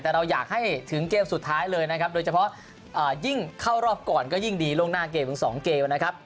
แต่เราอยากให้ถึงเกมสุดท้ายเลยนะครับโดยเฉพาะยิ่งเข้ารอบก่อนก็ยิ่งดีล่วงหน้าเกมถึง๒เกมนะครับ